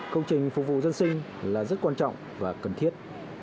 công trình phục vụ dân sinh là rất quan trọng và cần thiết